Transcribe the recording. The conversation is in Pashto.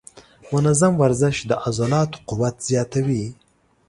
منظم ورزش د عضلاتو قوت زیاتوي.